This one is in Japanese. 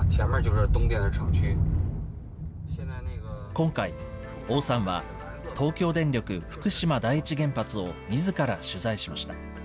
今回、王さんは東京電力福島第一原発をみずから取材しました。